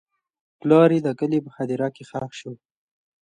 پلار یې د کلي په هدیره کې ښخ شو.